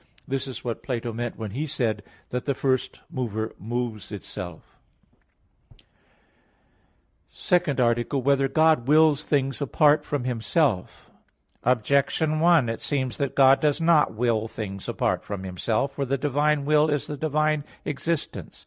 This is what Plato meant when he said that the first mover moves itself. _______________________ SECOND ARTICLE [I, Q. 19, Art. 2] Whether God Wills Things Apart from Himself? Objection 1: It seems that God does not will things apart from Himself. For the divine will is the divine existence.